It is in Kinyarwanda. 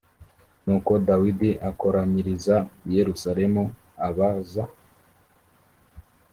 nuko dawidi akoranyiriza i yerusalemu abaz